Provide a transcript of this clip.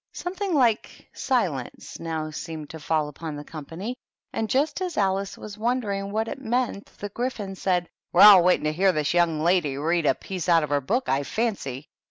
Something like silence now seemed to fall upon the company, and just as Alice was wondering what it meant the Gryphon said, "We're all waitin' to hear this young lady read a piece out of her book, I fancy."